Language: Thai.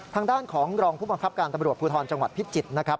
ทางด้านของรองผู้บังคับการตำรวจภูทรจังหวัดพิจิตรนะครับ